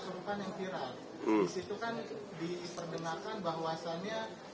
di situ kan diperdengarkan bahwasannya